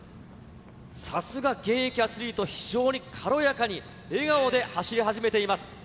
さすが現役アスリート、非常に軽やかに、笑顔で走り始めています。